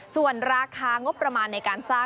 ส่วนราคางบประมาณในการสร้าง